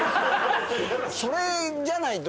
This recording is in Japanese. それじゃないと。